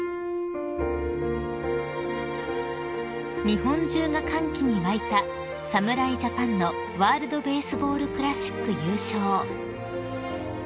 ［日本中が歓喜に沸いた侍ジャパンのワールドベースボールクラシック優勝］